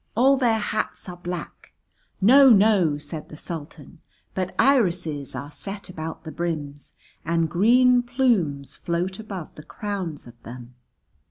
All their hats are black " ("No, no," said the Sultan) "but irises are set about the brims, and green plumes float above the crowns of them.